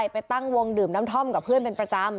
ไปตั้งวงดื่มน้ำท่อมกับเพื่อนเป็นประจำ